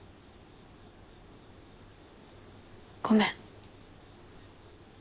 ごめん。